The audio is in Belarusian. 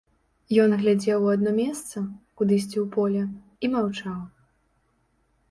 Ён глядзеў у адно месца, кудысьці ў поле, і маўчаў.